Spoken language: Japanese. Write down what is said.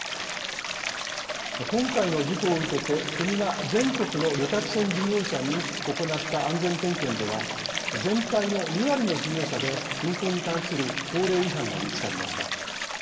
今回の事故を受けて国が全国の旅客船事業者に行った安全点検では全体の２割の事業者で運航に関する法令違反が見つかりました。